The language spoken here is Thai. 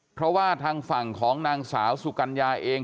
เพราะว่าทางฝั่งของนางสาวสุกัญญาเอง